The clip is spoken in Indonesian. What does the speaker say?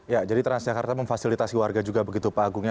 ya jadi transjakarta memfasilitasi warga juga begitu pak agung ya